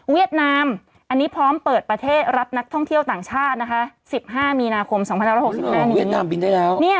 เวียดนามพร้อมเปิดประเทศรับนักท่องเที่ยวต่างชาติ๑๕มีนาคม๒๐๑๖นี้